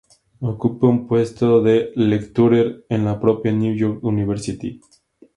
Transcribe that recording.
Ocupa un puesto de lecturer en la propia New York University.